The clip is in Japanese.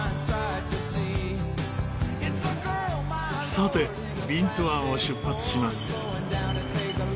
さてビントゥアンを出発します。